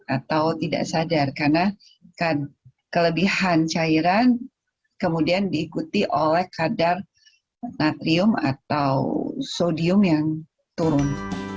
atau tidak sadar karena kelebihan cairan kemudian diikuti oleh kadar natrium atau sodium yang turun